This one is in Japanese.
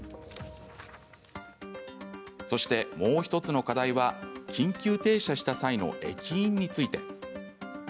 そして、もう１つの課題は緊急停車した際の駅員について。